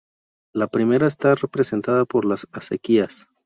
La primera está representada por las acequias.